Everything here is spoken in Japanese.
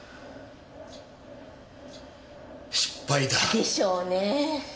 失敗だ。でしょうねぇ。